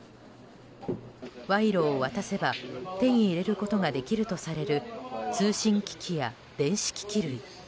賄賂を渡せば手に入れることができるとされる通信機器や電子機器類。